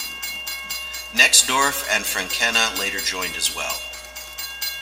Nexdorf and Frankena later joined as well.